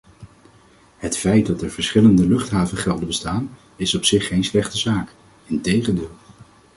Het feit dat er verschillende luchthavengelden bestaan, is op zich geen slechte zaak, integendeel.